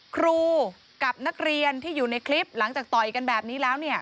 ครูกับนักเรียนที่อยู่ในคลิปหลังจากต่อยกันแบบนี้แล้วเนี่ย